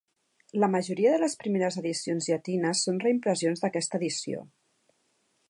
La majoria de les primeres edicions llatines són reimpressions d'aquesta edició.